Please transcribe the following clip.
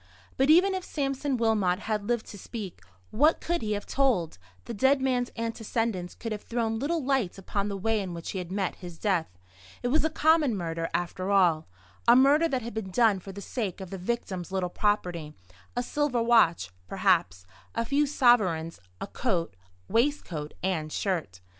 But even if Sampson Wilmot had lived to speak, what could he have told? The dead man's antecedents could have thrown little light upon the way in which he had met his death. It was a common murder, after all; a murder that had been done for the sake of the victim's little property; a silver watch, perhaps; a few sovereigns; a coat, waistcoat, and shirt.